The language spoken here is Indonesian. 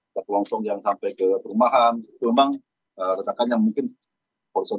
tapi kami pastikan bahwa prosedur maupun sistem pengamadan di kodam ini sudah singkat ulang